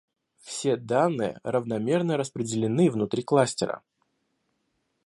Все данные равномерно распределены внутри кластера